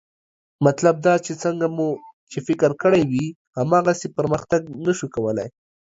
مطلب دا چې څنګه مو چې فکر کړی وي، هماغسې پرمختګ نه شو کولی